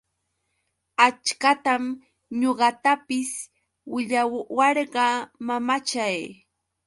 Achkatam ñuqatapis willawarqa mamachay.